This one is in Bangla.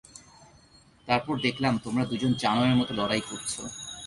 তারপর দেখলাম তোমরা দুইজন জানোয়ারের মতো লড়াই করছ।